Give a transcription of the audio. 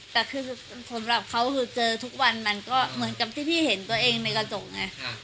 แต่คือสำหรับเขาคือเจอทุกวันมันก็เหมือนกับที่พี่เห็นตัวเองในกระจกไง